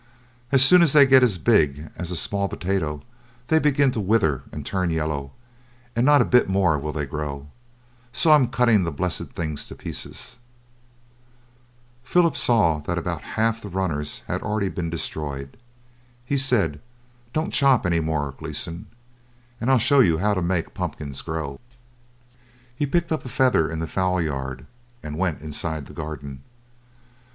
As soon as they get as big as a small potato, they begin to wither and turn yellow, and not a bit more will they grow. So I'm cutting the blessed things to pieces." Philip saw that about half the runners had been already destroyed. He said, "Don't chop any more, Gleeson, and I'll show you how to make pumpkins grow." He picked up a feather in the fowl yard, and went inside the garden.